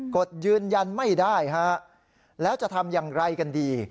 กดยืนยันไม่ได้ฮะแล้วจะทำอย่างไรกันดี